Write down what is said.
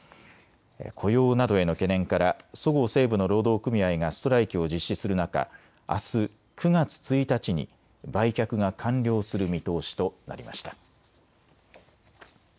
雇用などへの懸念からそごう・西武の労働組合がストライキを実施する中、あす９月１日に売却が完了する見通しとなりました。